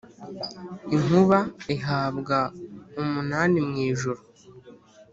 inkuba ihabwa umunani mu ijuru,